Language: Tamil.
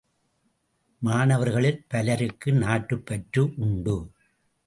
மாணவர்களில் பலருக்கு நாட்டுப் பற்று உண்டு.